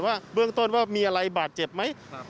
ว่าเบื้องต้นว่ามีอะไรบาดเจ็บไหม